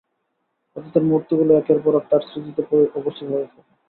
অতীতের মুহুর্তগুলো একের পর এক তার স্মৃতিতে উপস্থিত হতে থাকে।